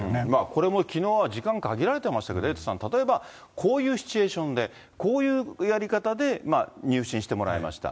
これもきのうは時間限られてましたけれども、エイトさん、例えばこういうシチュエーションで、こういうやり方で入信してもらいました。